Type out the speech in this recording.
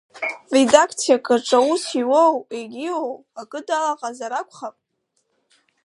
Редакциак аҿы аус иуоу, егьиу, акы далаҟазар акәхап.